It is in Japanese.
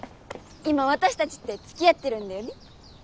今私たちって付き合ってるんだよね？